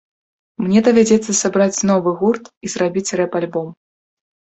Мне давядзецца сабраць новы гурт і зрабіць рэп-альбом.